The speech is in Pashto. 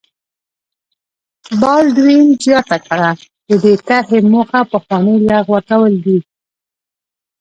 بالډوین زیاته کړه د دې طرحې موخه پخوانۍ لغوه کول دي.